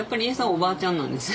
おばあちゃんなんですよ。